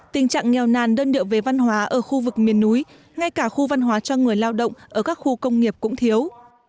tình trạng nghèo nàn đơn điệu về văn hóa ở khu vực miền núi ngay cả khu văn hóa cho người lao động ở các khu công nghiệp cũng thiếu